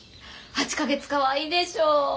８か月かわいいでしょう。